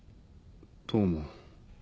どうも。